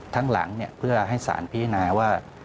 ทั้งหลังเนี่ยเพื่อให้สอนพิจิณาว่า